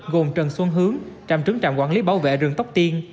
gồm trần xuân hướng trạm trưởng trạm quản lý bảo vệ rừng tóc tiên